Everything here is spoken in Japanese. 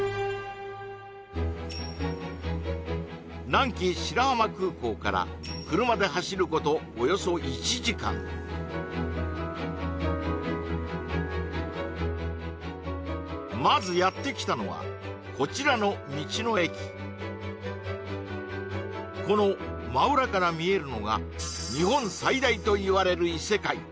南紀白浜空港から車で走ることおよそ１時間まずやってきたのはこちらの道の駅この真裏から見えるのが日本最大といわれる異世界